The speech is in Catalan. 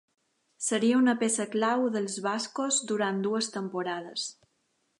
Seria una peça clau dels bascos durant dues temporades.